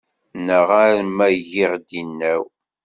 Neɣ arma giɣ-d inaw?